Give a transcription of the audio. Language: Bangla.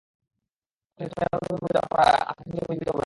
অতএব, তুমি এমনভাবে মরে যাও, যারপর আর কখনো তুমি জীবিত হবে না।